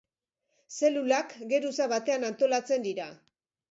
Zelulak geruza batean antolatzen dira.